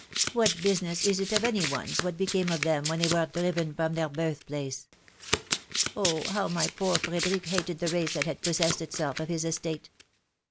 What business is it of any one's what became of them when they were driven from their birth place? Oh, how my poor Frederick hated the race that had possessed it self of his estate.